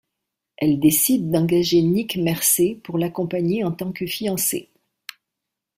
Elle décide d'engager Nick Mercer pour l'accompagner en tant que fiancé.